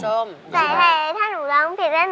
แต่ถ้าหนูร้องเพลงแล้วหนูจะได้เงินไหม